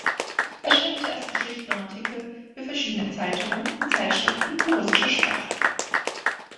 Er schrieb zuerst Geschichten und Artikel für verschiedene Zeitungen und Zeitschriften in russischer Sprache.